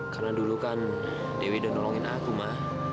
karena dulu kan dewi udah nolongin aku ma